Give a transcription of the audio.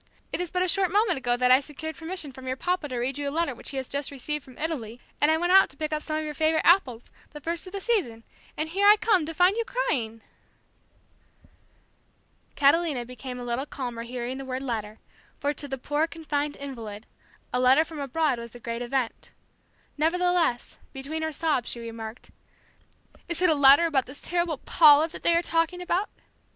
It is but a short moment ago that I secured permission from your papa to read you a letter which he has just received from Italy, and I went out to pick up some of your favorite apples, the first of the season, and here I come to find you crying!" Catalina became a little calmer hearing the word "letter," for, to the poor confined invalid, a letter from abroad was a great event. Nevertheless, between her sobs she remarked, "Is it a letter about this terrible 'Paula' that they are talking about?"